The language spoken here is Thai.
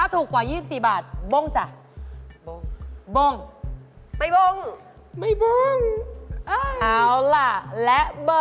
ถูกกว่า๒๔บาทบ้งจ้ะ